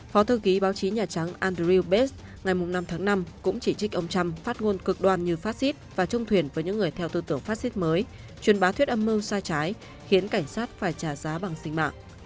phó thư ký báo chí nhà trắng andrew bez ngày năm tháng năm cũng chỉ trích ông trump phát ngôn cực đoan như phát xít và trông thuyền với những người theo tư tưởng phát xít mới truyền bá thuyết âm mưu sai trái khiến cảnh sát phải trả giá bằng sinh mạng